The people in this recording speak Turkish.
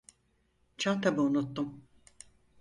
Çantamı unuttum.